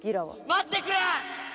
待ってくれ！